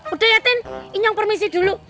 udah ya tin inyong permisi dulu